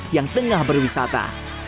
yang tengah berwisata